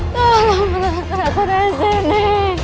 tolong keluarkan aku dari sini